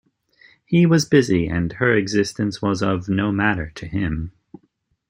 He was busy, and her existence was of no matter to him.